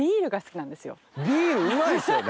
ビールうまいですよね！